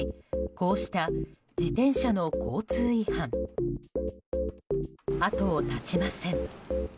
こうした自転車の交通違反。後を絶ちません。